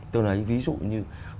tôi nói ví dụ như